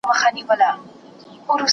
¬ يا موړ مړی، يا غوړ غړی.